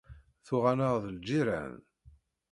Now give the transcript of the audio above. Tuɣ-aneɣ d lǧiran.